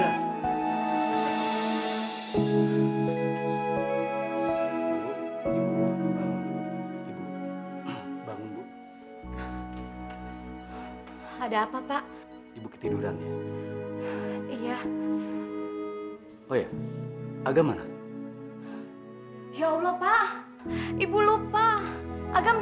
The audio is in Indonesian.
apa mau lagi manja lagi